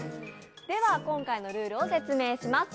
今回のルールを説明します。